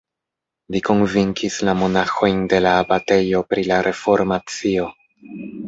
Li konvinkis la monaĥojn de la abatejo pri la reformacio.